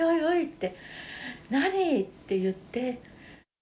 って、何！って言って。